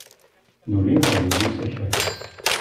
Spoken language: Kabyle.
Nuli ɣer yiwen n usakal.